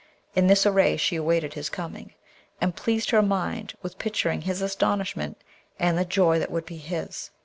In this array she awaited his coming, and pleased her mind with picturing his astonishment and the joy that would be his.